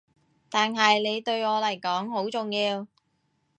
但係你對我嚟講好重要